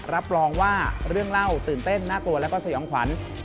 รับรองว่าเรื่องเล่าตื่นเต้นน่ากลัวแล้วก็สยองขวัญ